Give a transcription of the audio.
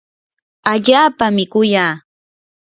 allaapami kuyaa.